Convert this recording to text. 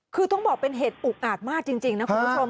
คือต้องบอกเป็นเหตุอุกอาจมากจริงนะคุณผู้ชม